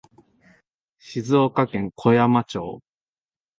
静岡県小山町